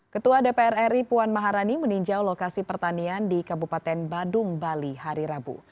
ketua dpr ri puan maharani meninjau lokasi pertanian di kabupaten badung bali hari rabu